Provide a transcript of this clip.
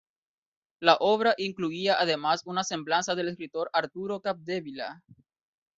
La obra incluía además una semblanza del escritor Arturo Capdevila.